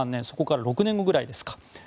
そこから６年後ぐらいですか。